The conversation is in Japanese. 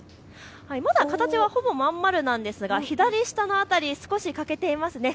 まだ形はほぼまん丸なんですが左下の辺り、少し欠けていますね。